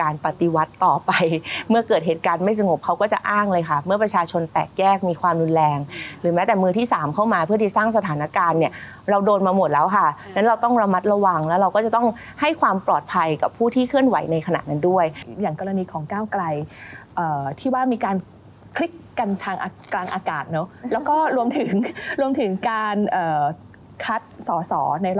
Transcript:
ปฏิวัติต่อไปเมื่อเกิดเหตุการณ์ไม่สงบเขาก็จะอ้างเลยค่ะเมื่อประชาชนแตกแยกมีความรุนแรงหรือแม้แต่มือที่สามเข้ามาเพื่อที่สร้างสถานการณ์เนี่ยเราโดนมาหมดแล้วค่ะงั้นเราต้องระมัดระวังแล้วเราก็จะต้องให้ความปลอดภัยกับผู้ที่เคลื่อนไหวในขณะนั้นด้วยอย่างกรณีของก้าวไกลที่ว่ามีการคลิกกันทางกลางอากาศเนอะแล้วก็รวมถึงรวมถึงการคัดสอสอในร